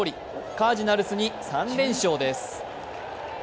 カージナルスに３連勝です。